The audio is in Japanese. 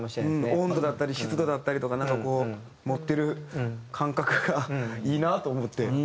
温度だったり湿度だったりとかなんかこう持ってる感覚がいいなと思って。